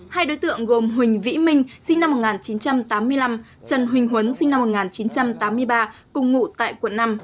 hai đối tượng gồm huỳnh vĩ minh sinh năm một nghìn chín trăm tám mươi năm trần huỳnh huấn sinh năm một nghìn chín trăm tám mươi ba cùng ngụ tại quận năm